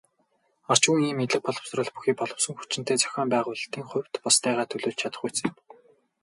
Орчин үеийн мэдлэг боловсрол бүхий боловсон хүчинтэй, зохион байгуулалтын хувьд бусдыгаа төлөөлж чадахуйц юм.